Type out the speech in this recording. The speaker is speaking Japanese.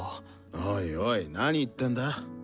おいおいなに言ってんだ？